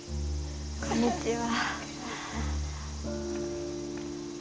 こんにちは。